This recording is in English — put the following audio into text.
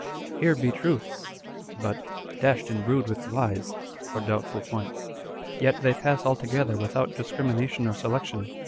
*" Here be truths/' but " dashed and brewed with lies " or doubtful points. Yet they pass altogether without discrimination or selection.